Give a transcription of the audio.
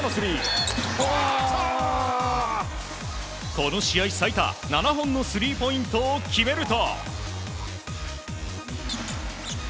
この試合最多７本のスリーポイントを決めると。